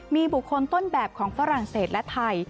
มีบุคคลต้นแบบของฝรั่งเศสและไทย